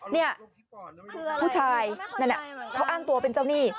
นี่ผู้ชายนั่นน่ะเขาอ้างตัวเป็นเจ้าหนี้